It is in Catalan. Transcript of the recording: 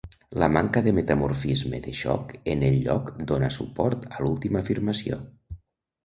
La manca de metamorfisme de xoc en el lloc dóna suport a l'última afirmació.